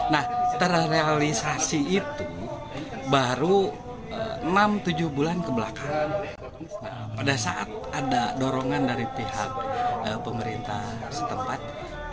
nah terrealisasi itu baru enam tujuh bulan kebelakangan pada saat ada dorongan dari pihak pemerintah setempat